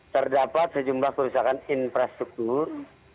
terdapat sejumlah kerusakan infrastruktur